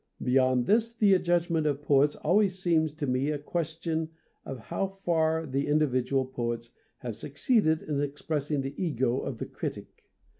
Beyond this the adjudgment of poets always seems to me a question of how far the individual poets have siicceeded in expressing the ego of the critic.